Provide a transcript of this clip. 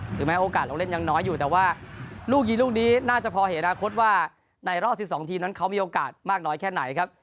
แม้โอกาสลงเล่นยังน้อยอยู่แต่ว่าลูกยิงลูกนี้น่าจะพอเห็นอนาคตว่าในรอบ๑๒ทีมนั้นเขามีโอกาสมากน้อยแค่ไหนครับ